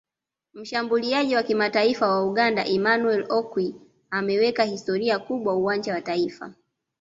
Mshambuliaji wa kimataifa wa Uganda Emmanuel Okwi ameweka historia kubwa uwanja wa taifa